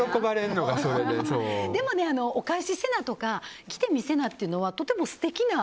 でも、お返しせなとか着てみせなってのはとても素敵な。